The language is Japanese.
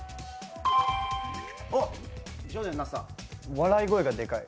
笑い声がデカい？